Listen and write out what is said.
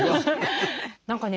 何かね